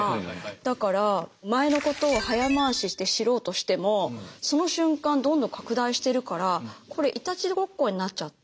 だから前のことを早回しして知ろうとしてもその瞬間どんどん拡大してるからこれイタチごっこになっちゃって。